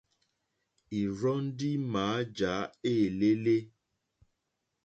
Ìrzɔ́ ndí mǎjǎ éělélé.